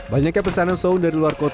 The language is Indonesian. banyaknya pesanan sound dari luar kota